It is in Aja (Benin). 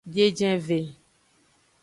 Biejenve.